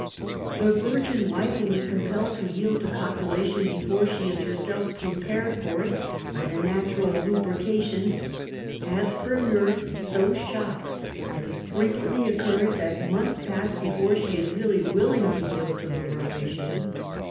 The virgin wife who is compelled to yield to copu lation before she is herself prepared for it by the j natural lubrications, has her nerves so shocked that j it frequently occurs that months pass before she is ' Ideally willing to yield to the relation.